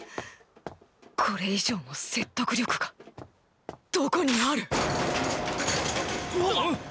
これ以上の説得力がどこにあるああっ！